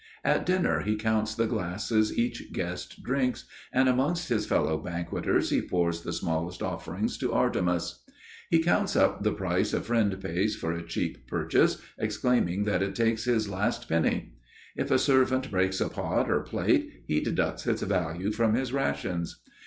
At dinner he counts the glasses each guest drinks, and amongst his fellow banqueters he pours the smallest offering to Artemis. He counts up the price a friend pays for a cheap purchase, exclaiming that it takes his last penny. If a servant breaks a pot or plate he deducts its value from his rations.